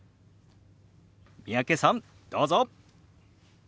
三宅さんどうぞ。